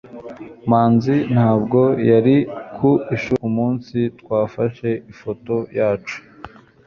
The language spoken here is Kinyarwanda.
manzi ntabwo yari ku ishuri umunsi twafashe ifoto yacu